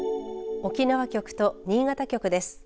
沖縄局と新潟局です。